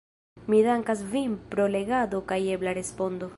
Mi dankas vin pro legado kaj ebla respondo.